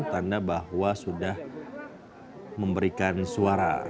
tanda bahwa sudah memberikan suara